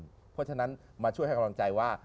เพราะฉะนั้นมาช่วยให้กำลังใจว่า